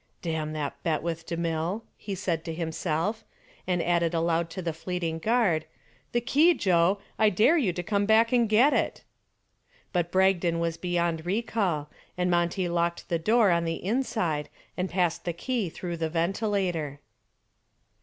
"Damn that bet with DeMille," he said to himself, and added aloud to the fleeting guard, "The key, Joe, I dare you to come back and get it!" But Bragdon was beyond recall and Monty locked the door on the inside and passed the key through the ventilator.